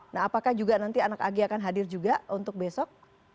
nah apakah juga nanti anak ag akan hadir juga untuk besok